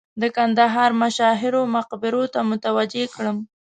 د کندهار مشاهیرو مقبرو ته متوجه کړم.